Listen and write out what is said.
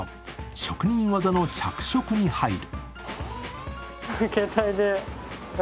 職人技の着色に入る。